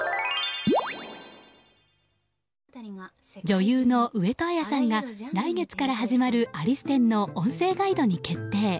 女優の上戸彩さんが来月から始まるアリス展の音声ガイドに決定。